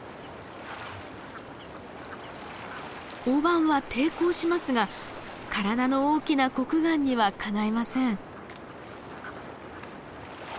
オオバンは抵抗しますが体の大きなコクガンにはかないません。